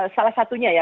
salah satunya ya